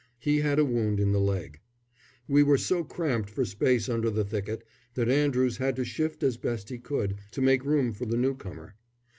He had a wound in the leg. We were so cramped for space under the thicket, that Andrews had to shift as best he could, to make room for the newcomer.